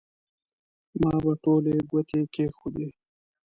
ما به ټولې ګوتې کېښودې.